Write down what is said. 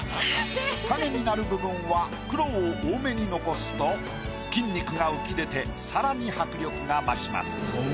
影になる部分は黒を多めに残すと筋肉が浮き出て更に迫力が増します。